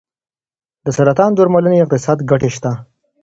د سرطان درملنې اقتصادي ګټې شته.